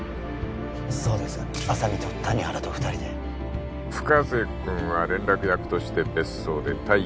そうです浅見と谷原と二人で深瀬君は連絡役として別荘で待機